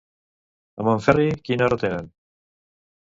A Montferri quina hora tenen?